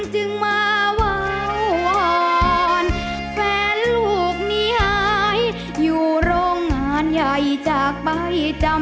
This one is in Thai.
รุ่นดนตร์บุรีนามีดังใบปุ่ม